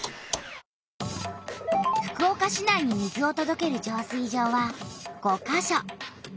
福岡市内に水をとどける浄水場は５か所。